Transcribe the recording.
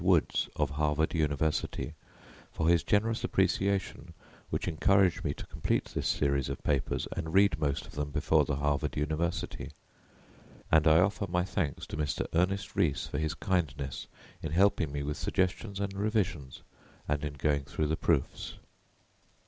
Woods, of Harvard University, for his generous appreciation which encouraged me to complete this series of papers and read most of them before the Harvard University. And I offer my thanks to Mr. Ernest Rhys for his kindness in helping me with suggestions and revisions, and in going through the proofs.